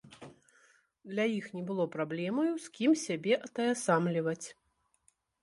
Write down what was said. Для іх не было праблемаю, з кім сябе атаясамліваць.